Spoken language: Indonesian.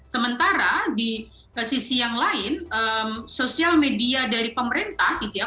sementara di sisi yang lain sosial media dari pemerintah gitu ya